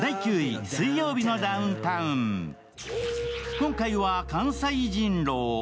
今回は関西人狼。